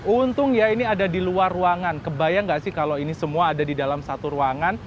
untung ya ini ada di luar ruangan kebayang gak sih kalau ini semua ada di dalam satu ruangan